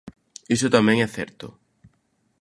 Iso tamén é certo.